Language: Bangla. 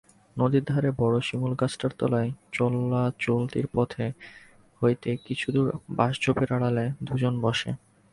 নদীর ধারে বড় শিমুলগাছটার তলায় চলা-চলতির পথ হইতে কিছুদূরে বাঁশঝোপের আড়ালে দুজনে বসে।